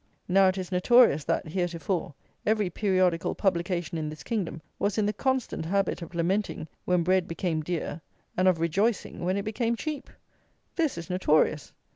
Now, it is notorious, that, heretofore, every periodical publication in this kingdom was in the constant habit of lamenting, when bread became dear, and of rejoicing, when it became cheap. This is notorious.